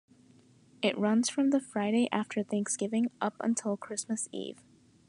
It runs from the Friday after Thanksgiving up until Christmas Eve.